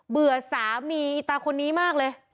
เบื่อสามีตาคนนี้มากเลย